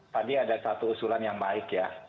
tadi ada satu usulan yang baik ya